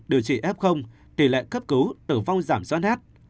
điều trị f tỷ lệ cấp cứu tử vong giảm do hát